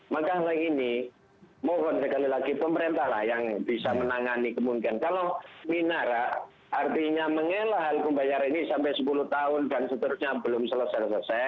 maka hal ini mohon sekali lagi pemerintah lah yang bisa menangani kemungkinan kalau minara artinya mengelola hal pembayaran ini sampai sepuluh tahun dan seterusnya belum selesai selesai